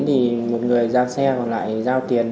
thì một người giao xe còn lại giao tiền